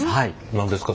何ですか？